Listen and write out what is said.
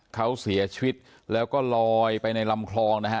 เขาเสียชีวิตแล้วก็ลอยไปในลำคลองนะฮะ